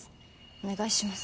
お願いします